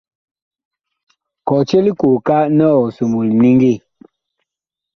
Kɔtye likooka nɛ ɔg somoo liniŋgi.